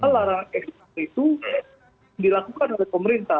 larangan ekspor itu dilakukan oleh pemerintah